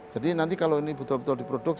jadi nanti kalau ini betul betul diproduk